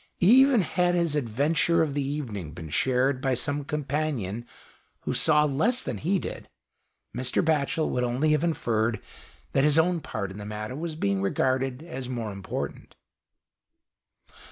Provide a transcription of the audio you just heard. Even had his adventure of the evening been shared by some companion who saw less than he did, Mr. Batchel would only have inferred that his own part in the matter was being regarded as more important.